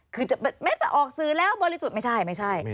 คือจะไปออกสื่อแล้วบริสุทธิ์